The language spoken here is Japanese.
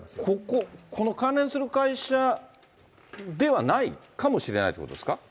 ここ、関連する会社ではないかもしれないってことですか？